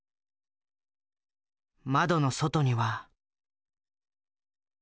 窓の外には。